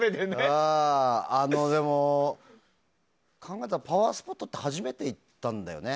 でも考えたらパワースポットって初めて行ったんだよね。